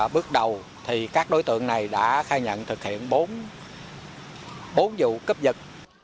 bước đầu các đối tượng này đã khai nhận thực hiện bốn vụ cướp giật